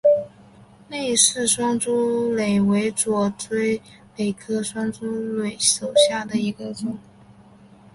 芮氏双珠螺为左锥螺科双珠螺属下的一个种。